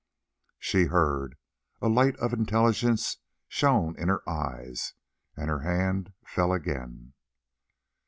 She heard, a light of intelligence shone in her eyes, and her hand fell again.